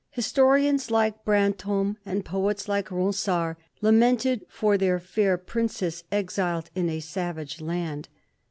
Historians like Brant6me and poets like Konsard lamented for their fair princess •exiled in a savage land.